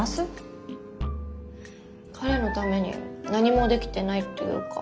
彼のために何もできてないっていうか。